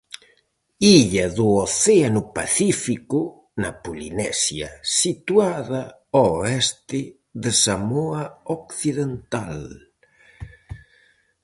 Illa do Océano Pacífico, na Polinesia, situada ao oeste de Samoa Occidental.